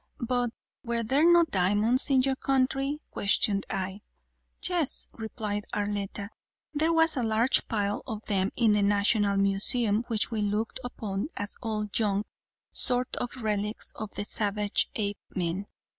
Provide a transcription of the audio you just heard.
"But were there no diamonds in your country?" questioned I. "Yes," replied Arletta, "there was a large pile of them in the national museum which we looked upon as old junk sort of relics of the savage Apemen.